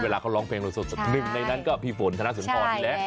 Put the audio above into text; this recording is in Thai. เวลาเขาร้องเพลงสดในนั้นก็พี่โฟนคณะสุนตอน